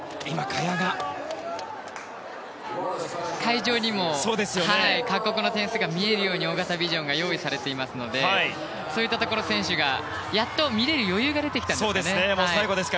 会場にも各国の選手が見えるように大型ビジョンが用意されていますのでそういったところ、選手がやっと見れる余裕が出てきたんですね。